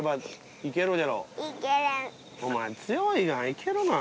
お前強いが！